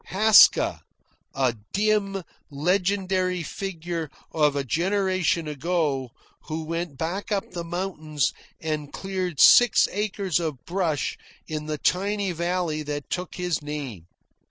Haska a dim legendary figure of a generation ago, who went back up the mountain and cleared six acres of brush in the tiny valley that took his name.